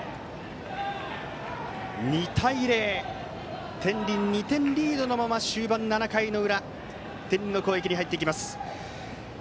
２対０と天理２点リードのまま終盤、７回の裏天理の攻撃に入ります。